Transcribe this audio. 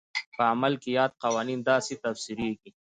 په عمل کې یاد قوانین داسې تفسیرېږي.